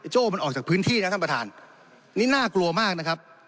โจ้มันออกจากพื้นที่นะท่านประธานนี่น่ากลัวมากนะครับ